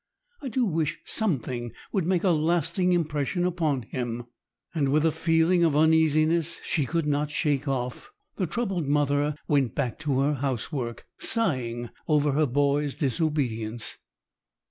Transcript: I do wish something would make a lasting impression upon him." And with a feeling of uneasiness she could not shake off, the troubled mother went back to her house work, sighing over her boy's disobedience.